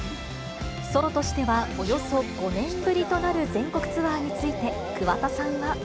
ソロとしては、およそ５年ぶりとなる全国ツアーについて、桑田さんは。